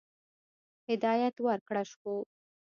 هدایت ورکړه شو.